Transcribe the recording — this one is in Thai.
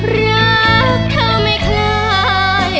รักเธอไม่คล้าย